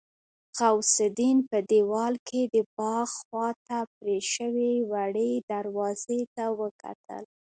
غوث الدين په دېوال کې د باغ خواته پرې شوې وړې دروازې ته وکتل.